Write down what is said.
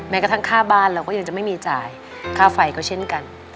กระทั่งค่าบ้านเราก็ยังจะไม่มีจ่ายค่าไฟก็เช่นกัน